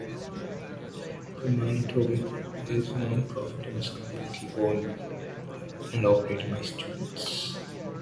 The Manitoban is non-profit and is completely owned and operated by students.